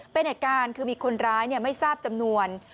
เป็นเหตุการณ์คือมีคนร้ายไม่ทราบจำนวน